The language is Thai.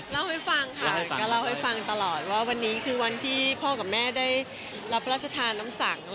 เล่าให้ฟังค่ะก็เล่าให้ฟังตลอดว่าวันนี้คือวันที่พ่อกับแม่ได้รับพระราชทานน้ำสัง